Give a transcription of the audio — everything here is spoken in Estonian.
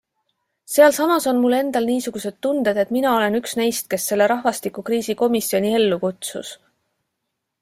Sealsamas on mul endal niisugused tunded, et mina olen üks neist, kes selle rahvastikukriisi komisjoni ellu kutsus...